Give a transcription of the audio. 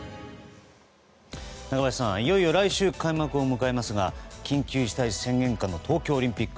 中林さん、いよいよ来週開幕を迎えますが緊急事態宣言下の東京オリンピック